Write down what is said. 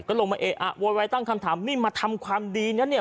ก็ลงมาเอะอะโวยวายตั้งคำถามนี่มาทำความดีนะเนี่ย